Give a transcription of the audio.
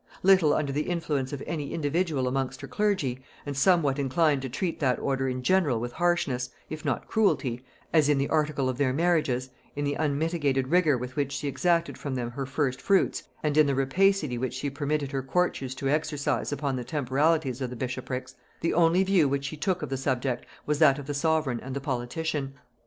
Little under the influence of any individual amongst her clergy, and somewhat inclined to treat that order in general with harshness, if not cruelty, as in the article of their marriages, in the unmitigated rigor with which she exacted from them her first fruits, and in the rapacity which she permitted her courtiers to exercise upon the temporalities of the bishoprics, the only view which she took of the subject was that of the sovereign and the politician.